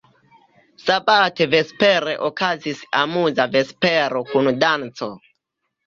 Sabate vespere okazis amuza vespero kun danco.